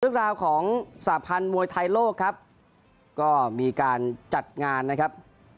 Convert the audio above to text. ภาคภัณฑ์มวยไทยโลกนะครับก็มีการจัดงานนะครับ